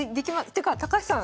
ていうか高橋さん